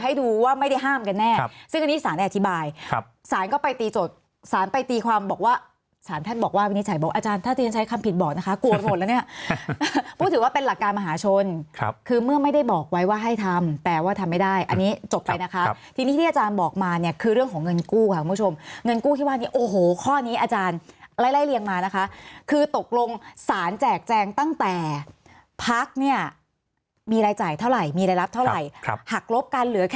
ให้ดูว่าไม่ได้ห้ามกันแน่ครับซึ่งอันนี้สารได้อธิบายครับสารก็ไปตีจดสารไปตีความบอกว่าสารแท่นบอกว่าวินิจฉัยบอกอาจารย์ถ้าจะใช้คำผิดบอกนะคะกลัวหมดแล้วเนี่ยพูดถึงว่าเป็นหลักการมหาชนครับคือเมื่อไม่ได้บอกไว้ว่าให้ทำแปลว่าทำไม่ได้อันนี้จบไปนะคะครับทีนี้ที่ที่อาจารย์บอกมาเนี่ยคื